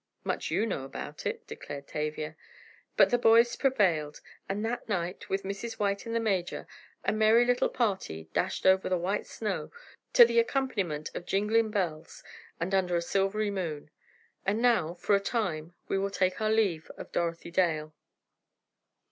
"Much you know about it," declared Tavia. But the boys prevailed, and that night, with Mrs. White and the major, a merry little party dashed over the white snow, to the accompaniment of jingling bells, and under a silvery moon. And now, for a time, we will take leave of Dorothy Dale.